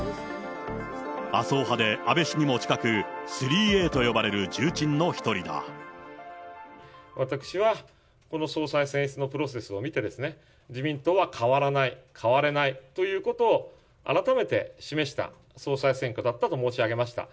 麻生派で安倍氏にも近く、私は、この総裁選出のプロセスを見てですね、自民党は変わらない、変われないということを、改めて示した、総裁選挙だったと申し上げました。